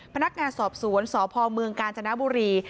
พนักงานสอบสวนสพเมืองกาญจนบุรี